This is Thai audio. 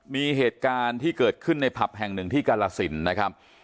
มีเหตุการณ์ที่เกิดขึ้นในผับแห่งหนึ่งที่กาลสินนะครับ